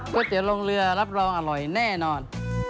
เตี๋ยวลงเรือรับรองอร่อยแน่นอน